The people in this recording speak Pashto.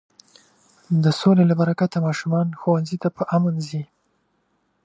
د سولې له برکته ماشومان ښوونځي ته په امن ځي.